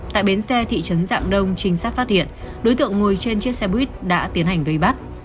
tại bến xe thị trấn dạng đông trinh sát phát hiện đối tượng ngồi trên chiếc xe buýt đã tiến hành vây bắt